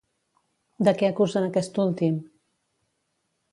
De què acusen aquest últim?